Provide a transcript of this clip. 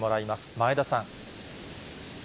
前田さん。